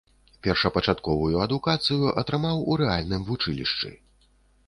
Першапачатковую адукацыю атрымаў у рэальным вучылішчы.